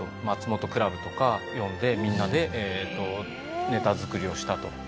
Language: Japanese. マツモトクラブとか呼んでみんなでネタ作りをしたと。